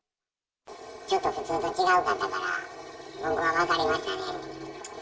ちょっと普通とちがかったから僕は分かりましたね。